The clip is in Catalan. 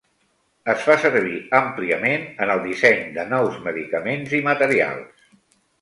Es fa servir àmpliament en el disseny de nous medicaments i materials.